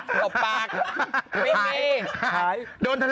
ตอบปาก